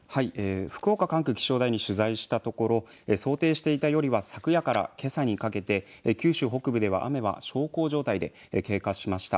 福岡管区気象台に取材したところ想定したよりは昨夜からけさにかけて九州北部では雨は小康状態で経過しました。